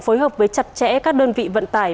phối hợp với chặt chẽ các đơn vị vận tải